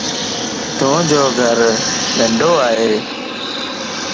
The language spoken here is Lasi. تو جو گھر ننڊوائي